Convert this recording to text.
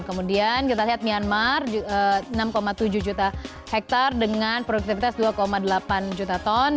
kemudian kita lihat myanmar enam tujuh juta hektare dengan produktivitas dua delapan juta ton